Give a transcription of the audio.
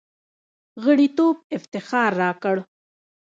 غړیتوب افتخار راکړ.